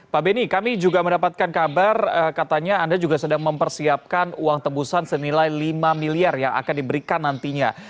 pak beni kami juga mendapatkan kabar katanya anda juga sedang mempersiapkan uang tebusan senilai lima miliar yang akan diberikan nantinya